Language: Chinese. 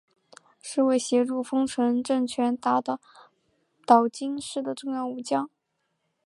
是为协助丰臣政权打倒岛津氏的重要武将。